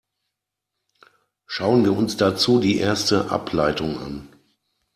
Schauen wir uns dazu die erste Ableitung an.